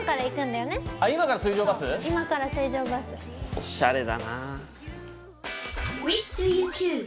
おしゃれだな。